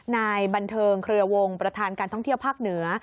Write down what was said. นายบันเทิงเครือวงประธานการท่องเที่ยวภาคเหนือ